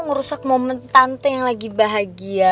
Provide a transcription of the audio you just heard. merusak momen tante yang lagi bahagia